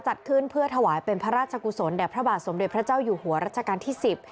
จัดขึ้นเพื่อถวายเป็นพระราชกุศลแด่พระบาทสมเด็จพระเจ้าอยู่หัวรัชกาลที่สิบ